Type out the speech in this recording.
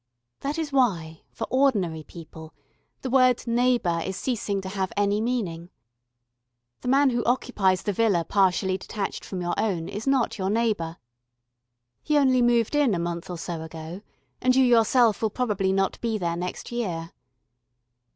That is why, for ordinary people, the word "neighbour" is ceasing to have any meaning. The man who occupies the villa partially detached from your own is not your neighbour. He only moved in a month or so ago, and you yourself will probably not be there next year.